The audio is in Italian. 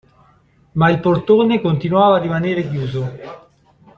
Ma il portone continuava a rimaner chiuso.